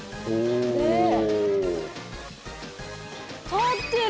立ってる！